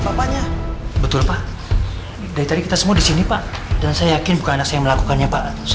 bapaknya betul pak dari tadi kita semua di sini pak dan saya yakin bukanlah saya melakukannya pak saya